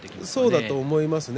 そうだと思いますね。